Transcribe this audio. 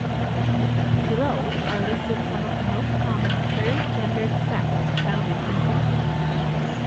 Below are listed some of the most common third-gender sects found in Hinduism.